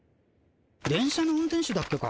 電車の運転手だっけか？